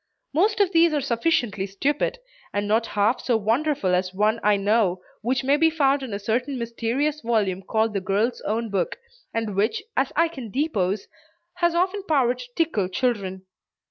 Most of these are sufficiently stupid, and not half so wonderful as one I know, which may be found in a certain mysterious volume called "The Girl's Own Book," and which, as I can depose, has often power to tickle children.